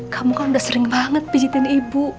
kamu kan udah sering banget pijitin ibu